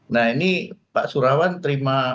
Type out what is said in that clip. nah ini pak surawan terima